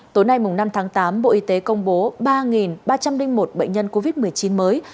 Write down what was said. tối nay năm tháng tám bộ y tế công bố ba ba trăm linh một bệnh nhân covid một mươi chín mới